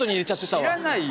知らないよ。